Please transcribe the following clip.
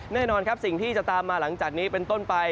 แน่นอนครับสิ่งที่จะตามมาหลังจากนี้เป็นต้นไป